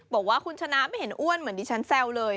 บอกว่าคุณชนะไม่เห็นอ้วนเหมือนดิฉันแซวเลย